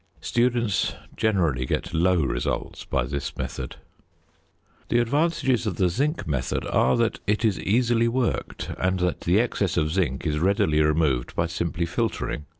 Students generally get low results by this method. The advantages of the zinc method are, that it is easily worked and that the excess of zinc is readily removed by simply filtering.